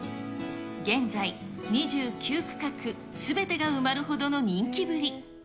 現在、２９区画すべてが埋まるほどの人気ぶり。